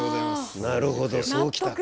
なるほどそう来たか。